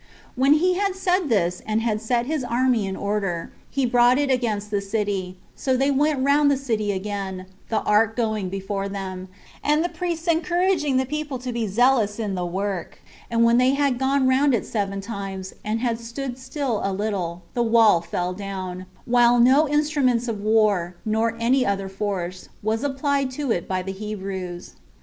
6. When he had said this, and had set his army in order, he brought it against the city: so they went round the city again, the ark going before them, and the priests encouraging the people to be zealous in the work; and when they had gone round it seven times, and had stood still a little, the wall fell down, while no instruments of war, nor any other force, was applied to it by the Hebrews.